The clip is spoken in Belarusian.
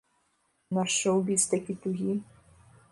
Наш шоў-біз такі тугі.